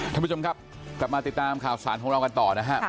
ท่านผู้ชมครับกลับมาติดตามข่าวสารของเรากันต่อนะครับ